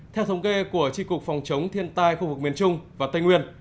theo thống kê của tri cục phòng chống thiên tai khu vực miền trung và tây nguyên